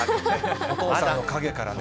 お父さんの陰からね。